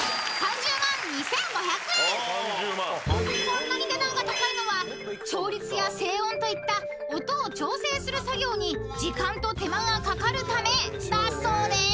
［こんなに値段が高いのは調律や整音といった音を調整する作業に時間と手間がかかるためだそうです］